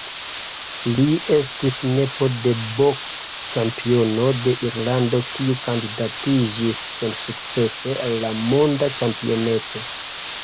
Li estis nepo de boks-ĉampiono de Irlando kiu kandidatiĝis sensukcese al la monda ĉampioneco.